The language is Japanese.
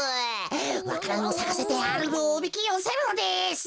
わか蘭をさかせてアルルをおびきよせるのです。